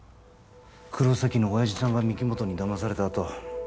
黒崎の親父さんが御木本にだまされたあと